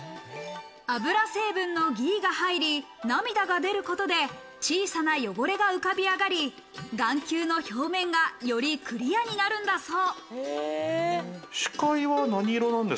油成分のギーが入り、涙が出ることで小さな汚れが浮かび上がり、眼球の表面がよりクリアになるんだそう。